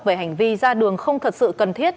về hành vi ra đường không thật sự cần thiết